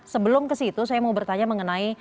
sebelum ke situ saya mau bertanya mengenai